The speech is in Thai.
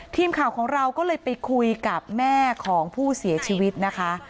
ทีมข่าวของเราก็เลยไปคุยกับแม่ของผู้เสียชีวิตนะคะ